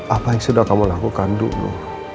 apa yang sudah kamu lakukan dulu